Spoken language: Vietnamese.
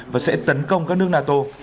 và sẽ tấn công các nước nato